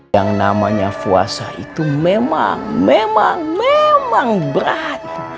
yang namanya puasa itu memang memang berat